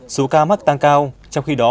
số ca mắc tăng cao trong khi đó